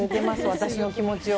私の気持ちを。